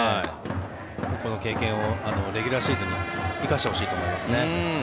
ここでの経験をレギュラーシーズンに生かしてほしいと思います。